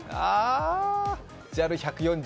ＪＡＬ１４０